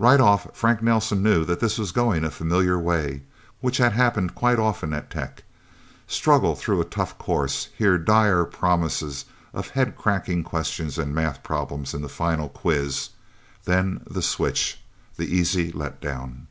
Right off, Frank Nelsen knew that this was going a familiar way, which had happened quite often at Tech: Struggle through a tough course, hear dire promises of head cracking questions and math problems in the final quiz. Then the switch the easy letdown.